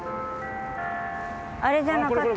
あれじゃなかった？